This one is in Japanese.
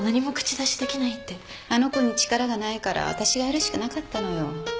あの子に力がないから私がやるしかなかったのよ。